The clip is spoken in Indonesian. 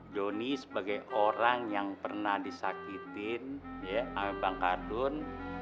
jonny sebagai orang yang pernah disakitin ya ama bang kardun